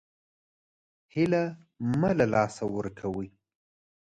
هیله مه له لاسه ورکوئ